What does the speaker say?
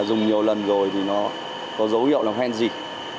dùng nhiều lần rồi thì nó có dấu hiệu là hoen gì